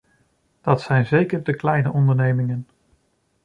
Dat zijn zeker de kleine ondernemingen.